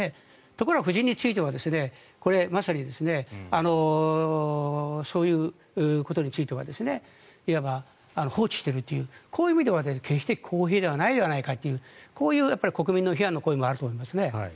ところが夫人についてはそういうことについてはいわば放置しているというこういう意味では決して公平じゃないじゃないかとこういう国民批判の声もあると思いますね。